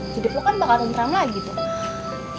hidup lu kan bakal lebih ramah lagi tuh